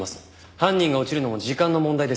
犯人が落ちるのも時間の問題ですよ。